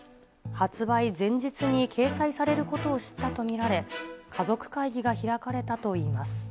発売前日に掲載されることを知ったと見られ、家族会議が開かれたといいます。